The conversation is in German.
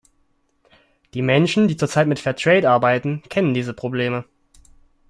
Die Menschen, die zur Zeit mit fair trade arbeiten, kennen diese Probleme.